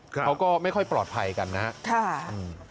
เขาก็ไม่ค่อยปลอดภัยกันนะครับ